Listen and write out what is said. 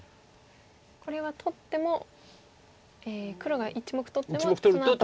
これは取っても黒が１目取ってもそのあと。